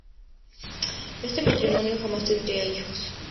Este matrimonio jamás tendrían hijos.